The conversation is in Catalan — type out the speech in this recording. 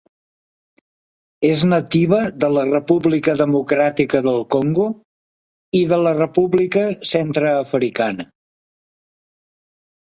És nativa de la República Democràtica del Congo i de la República Centreafricana.